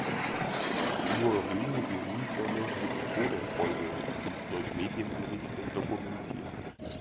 Nur wenige Unfälle mit Todesfolge sind durch Medienberichte dokumentiert.